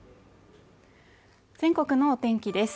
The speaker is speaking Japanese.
全国のお天気です